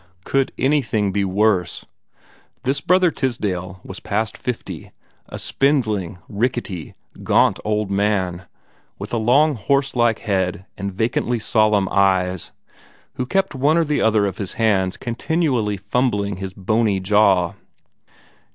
Could anything be worse? This Brother Tisdale was past fifty a spindling, rickety, gaunt old man, with a long horse like head and vacantly solemn face, who kept one or the other of his hands continually fumbling his bony jaw.